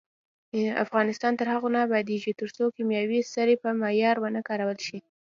افغانستان تر هغو نه ابادیږي، ترڅو کیمیاوي سرې په معیار ونه کارول شي.